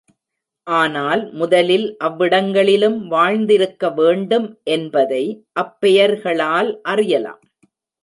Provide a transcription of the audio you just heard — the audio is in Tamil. ஆனால் முதலில் அவ்விடங்களிலும் வாழ்ந்திருக்க வேண்டும் என்பதை அப்பெயர்களால் அறியலாம்.